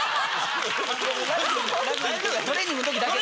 トレーニングの時だけです。